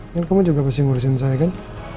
kan kamu juga kasih ngurusin saya kan